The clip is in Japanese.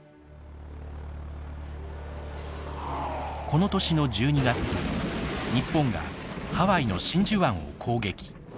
この年の１２月日本がハワイの真珠湾を攻撃。